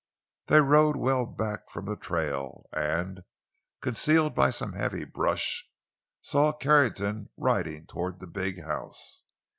They rode well back from the trail, and, concealed by some heavy brush, saw Carrington riding toward the big house.